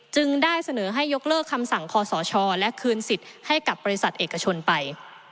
จึงได้เสนอให้ยกเลิกคำสั่งคอสชและคืนสิทธิ์ให้กับบริษัทเอกชนไป